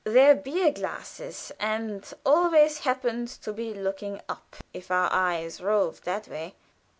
their beer glasses, and always happened to be looking up if our eyes roved that way.